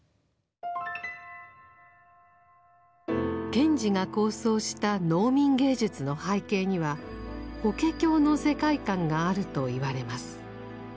賢治が構想した「農民芸術」の背景には法華経の世界観があるといわれます。